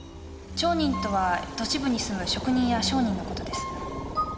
町人とは都市部に住む職人や商人の事です。